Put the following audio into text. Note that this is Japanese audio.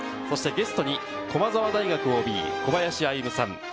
そしてゲストに駒澤大学ＯＢ・小林歩さん。